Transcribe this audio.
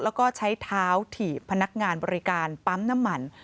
แล้วก็ใช้เท้าถีบพนักงานบริการปั๊มน้ำมัน